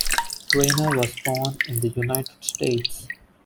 Trainor was born in the United States.